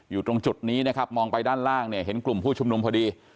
อยู่ตรงจุดนี้นะครับมองไปด้านล่างเนี่ยเห็นกลุ่มผู้ชุมนุมพอดี